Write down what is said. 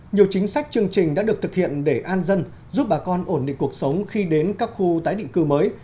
nhiều chính sách chương trình đã được thực hiện để an dân giúp bà con ổn định cuộc sống khi đến các khu tái định cư mới